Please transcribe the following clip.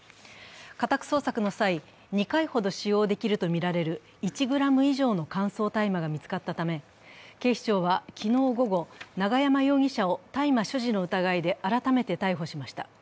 家宅捜索の際、２回ほど使用できるとみられる１ｇ以上の乾燥大麻が見つかったため、警視庁は昨日午後、永山容疑者を大麻所持の疑いで改めて逮捕しました。